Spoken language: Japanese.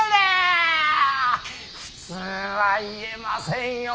普通は言えませんよ